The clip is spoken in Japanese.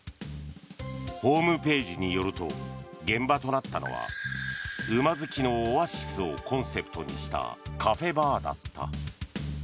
ホームページによると現場となったのは馬好きのオアシスをコンセプトにしたカフェバーだった。